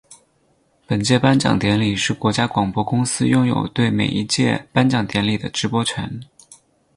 本届颁奖典礼是国家广播公司拥有对每一届颁奖典礼的直播权。